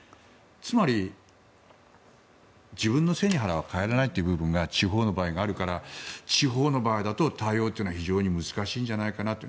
つまり自分の背に腹は代えられないという部分が地方の場合、あるから地方の場合だと対応というのは非常に難しいんじゃないかと。